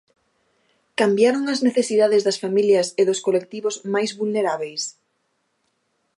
Cambiaron as necesidades das familias e dos colectivos máis vulnerábeis?